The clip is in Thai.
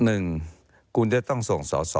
หนึ่งคุณจะต้องส่งสอสอ